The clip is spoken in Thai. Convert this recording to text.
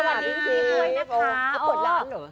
สวัสดีอย่างเพียบด้วยนะคะ